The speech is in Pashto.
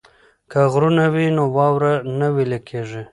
که غرونه وي نو واوره نه ویلی کیږي.